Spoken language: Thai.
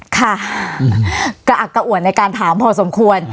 ค่ะกระอักกระอ่วนในการถามพอสมควร